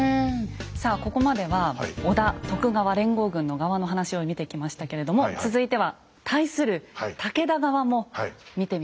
さあここまでは織田・徳川連合軍の側の話を見てきましたけれども続いては対する武田側も見てみましょう。